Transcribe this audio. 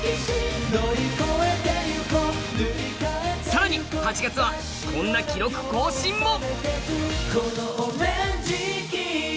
更に８月はこんな記録更新も。